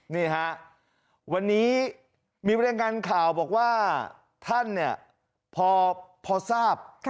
นี่ฮะวันนี้มีบรรยายงานข่าวบอกว่าท่านเนี่ยพอทราบ